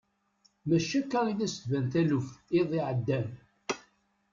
Mačči akka i as-d-tban taluft iḍ iɛeddan.